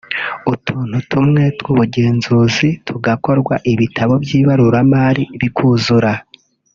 utuntu tumwe tw’ubugenzuzi tugakorwa ibitabo by’ibaruramari bikuzura